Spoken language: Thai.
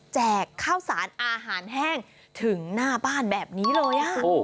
ข้าวสารอาหารแห้งถึงหน้าบ้านแบบนี้เลย